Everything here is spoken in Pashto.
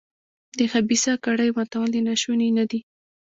د خبیثه کړۍ ماتول ناشوني نه دي.